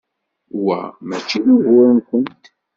Wa mačči d ugur-nkent.